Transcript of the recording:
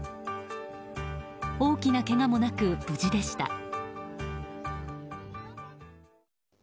大きなけがもなく、無事でした。